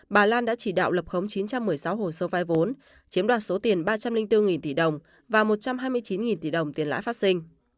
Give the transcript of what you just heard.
bà lan đã chỉ đạo lập khống chín trăm một mươi sáu hồ sơ vai vốn chiếm đoạt số tiền ba trăm linh bốn tỷ đồng và một trăm hai mươi chín tỷ đồng tiền lãi phát sinh